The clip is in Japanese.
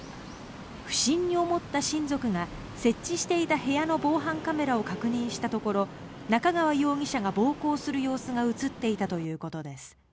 不審に思った親族が設置していた部屋の防犯カメラを確認したところ中川容疑者が暴行する様子が映っていたということです。